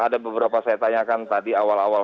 ada beberapa saya tanyakan tadi awal awal